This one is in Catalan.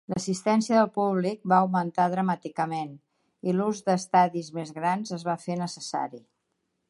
L'assistència del públic va augmentar dramàticament, i l'ús d'estadis més grans es va fer necessari.